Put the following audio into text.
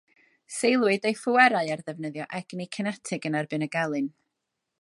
Seiliwyd ei phwerau ar ddefnyddio egni cinetig yn erbyn y gelyn.